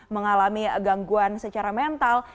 mengalami gangguan secara mental